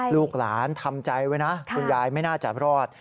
ลูกหลานทำใจไว้นะคุณยายไม่น่าจะรอด